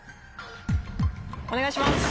お願いします。